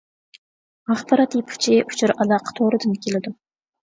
ئاخبارات يىپ ئۇچى «ئۇچۇر ئالاقە تورى» دىن كېلىدۇ.